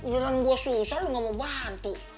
bilang gue susah lu gak mau bantu